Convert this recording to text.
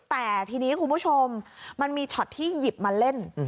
แต่ทีนี้คุณผู้ชมมันมีช็อตที่หยิบมาเล่น